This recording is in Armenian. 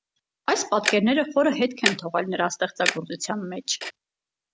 Այս պատկերները խորը հետք են թողել նրա ստեղծագործության մեջ։